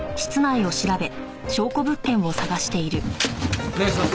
お願いします。